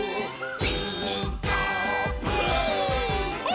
「ピーカーブ！」